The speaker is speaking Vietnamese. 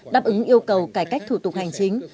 đáp ứng yêu cầu cải cách thủ tục hành chính